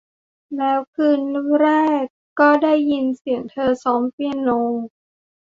แล้วคืนแรกก็ได้ยินเสียงเธอซ้อมเปียโน